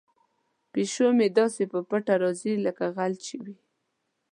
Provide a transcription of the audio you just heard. پیشو مې داسې په پټه راځي لکه غل چې وي.